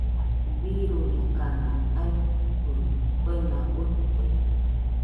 Birurikana aɨfo kuena uite.